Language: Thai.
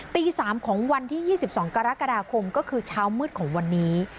ตี๓ของวันที่๒๒กรกฎาคมก็คือเช้ามืดของวันนี้